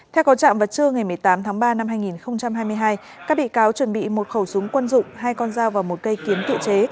theo có trạm vào trưa ngày một mươi tám tháng ba năm hai nghìn hai mươi hai các bị cáo chuẩn bị một khẩu súng quân dụng hai con dao và một cây kiến tự chế